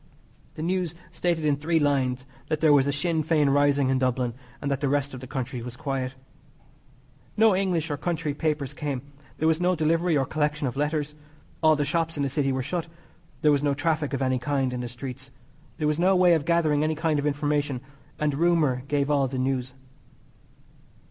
The news stated in three lines that there was a Sinn Fein rising in Dublin, and that the rest of the country was quiet. No English or country papers came. There was no delivery or collection of letters. All the shops in the City were shut. There was no traffic of any kind in the streets. There was no way of gathering any kind of information, and rumour gave all the news.